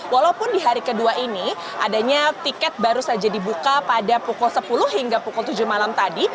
walaupun di hari kedua ini adanya tiket baru saja dibuka pada pukul sepuluh hingga pukul tujuh malam tadi